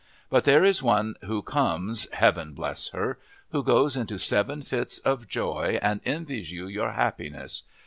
But there is one who comes Heaven bless her! who goes into seven fits of joy and envies you your happiness.